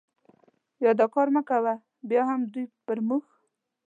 یا دا کار مه کوه، بیا هم دوی پر موږ.